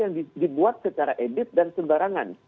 yang dibuat secara edit dan sembarangan